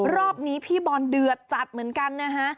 รอบนี้พี่บอลเดือดจัดเหมือนกันนะฮะ